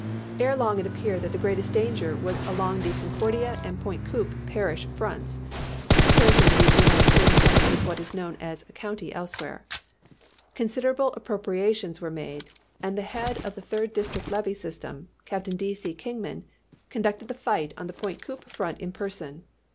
Ere long it appeared that the greatest danger was along the Concordia and Pointe Coupee parish fronts. (A parish in Louisiana coincides with what is known as a county elsewhere). Considerable appropriations were made, and the head of the third district levee system, Captain D. C. Kingman, conducted the fight on the Pointe Coupee front in person.